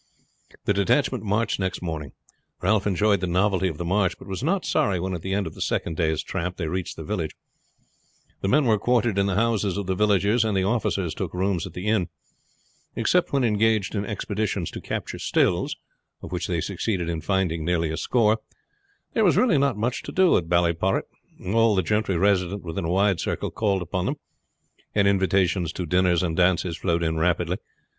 The detachment marched next morning. Ralph enjoyed the novelty of the march, but was not sorry when at the end of the second day's tramp they reached the village. The men were quartered in the houses of the villagers, and the officers took rooms at the inn. Except when engaged in expeditions to capture stills of which they succeeded in finding nearly a score there was not much to do at Ballyporrit. All the gentry resident within a wide circle called upon them, and invitations to dinners and dances flowed in rapidly.